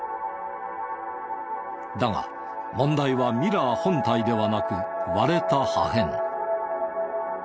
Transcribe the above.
だが問題はミラー本体ではなく割れた破片。